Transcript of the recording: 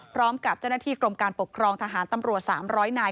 พร้อมกับเจ้าหน้าที่กรมการปกครองทหารตำรวจ๓๐๐นาย